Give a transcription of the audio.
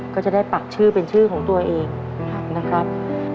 ก็จะได้ปักชื่อเป็นชื่อของตัวเองนะครับ